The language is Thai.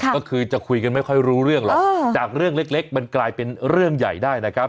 ก็คือจะคุยกันไม่ค่อยรู้เรื่องหรอกจากเรื่องเล็กมันกลายเป็นเรื่องใหญ่ได้นะครับ